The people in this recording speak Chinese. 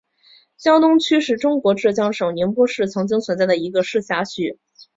江东区是中国浙江省宁波市曾经存在的一个市辖区。